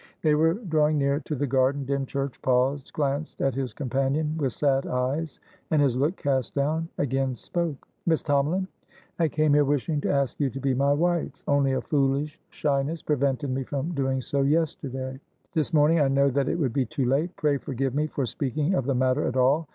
They were drawing near to the garden. Dymchurch paused, glanced at his companion with sad eyes, and, his look cast down, again spoke. "Miss Tomalin, I came here wishing to ask you to be my wife. Only a foolish shyness prevented me from doing so yesterday. This morning, I know that it would be too late. Pray forgive me for speaking of the matter at all.